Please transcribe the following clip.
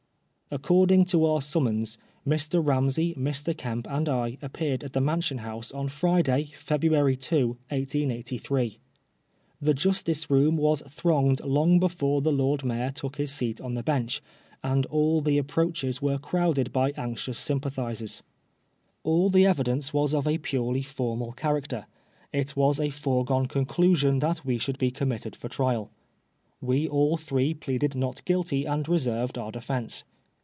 According to our summons, Mr. Ramsey, Mr. Eemp, and I appeared at the Mansion House on Friday, February 2, 1883. The Justice Room w^s thronged long before the Lord Mayor took his seat on the Bench, and all the approaches were crowded by anxious sympathisers. AH the evidence was of a purely formal character. It was a foregone conclusion that we should be committed for trial. We all three pleaded not guilty and reserved our defence.